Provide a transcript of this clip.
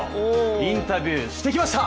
インタビューしてきました！